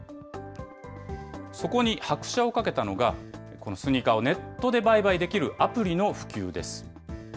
そこに拍車をかけたのが、このスニーカーをネットで売買できるアプリの普及です。